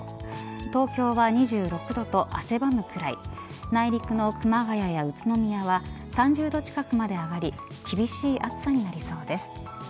東京は２６度と汗ばむくらい内陸の熊谷や宇都宮は３０度近くまで上がり厳しい暑さになりそうです。